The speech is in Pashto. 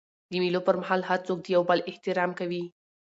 د مېلو پر مهال هر څوک د یو بل احترام کوي.